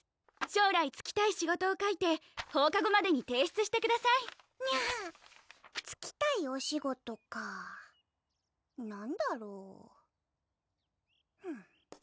将来就きたい仕事を書いて放課後までに提出してくださいにゃは就きたいお仕事か何だろ？